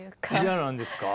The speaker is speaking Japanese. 嫌なんですか？